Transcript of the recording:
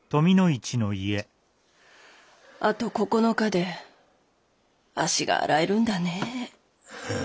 あと９日で足が洗えるんだねえ。